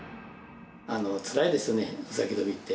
つらいですよね、うさぎ跳びって。